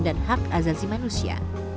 dan hak azasi manusia